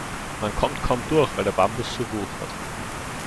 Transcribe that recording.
Man kommt kaum durch, weil der Bambus so wuchert.